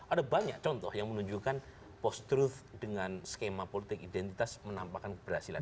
ada banyak contoh yang menunjukkan post truth dengan skema politik identitas menampakkan keberhasilan